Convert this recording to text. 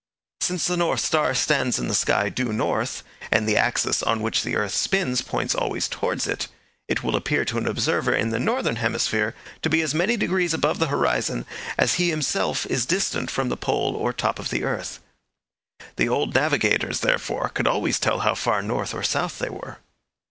Since the North Star stands in the sky due north, and the axis on which the earth spins points always towards it, it will appear to an observer in the northern hemisphere to be as many degrees above the horizon as he himself is distant from the pole or top of the earth. The old navigators, therefore, could always tell how far north or south they were.